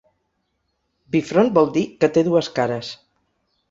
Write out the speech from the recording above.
Bifront vol dir «que té dues cares».